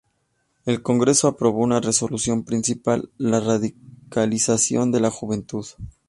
El Congreso aprobó una resolución principal "La radicalización de la juventud".